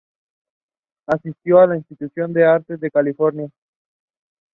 Asistió al Instituto de Artes de California.